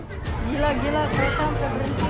gila gila kereta api berhenti